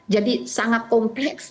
jadi sangat kompleks